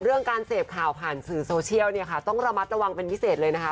เรื่องการเสพข่าวผ่านสื่อโซเชียลเนี่ยค่ะต้องระมัดระวังเป็นพิเศษเลยนะคะ